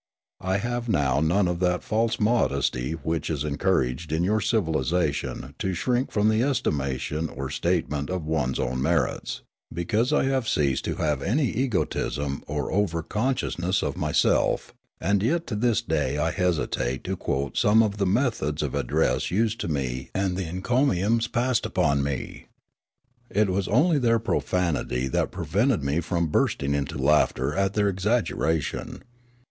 I have now none of that false modesty which is encouraged in your civilisation to shrink from the estimation or statement of one's own merits, because I have ceased to have any egotism or over consciousness Aleofanian Devotion to Truth 43 of myself ; and yet to this day I hesitate to quote some of the methods of address used to me and the encom iums passed upon me. It was only their profanity that prevented me from bursting into laughter at their exaggeration.